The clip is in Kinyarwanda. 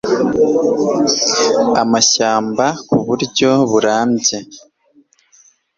amashyamba ku buryo burambye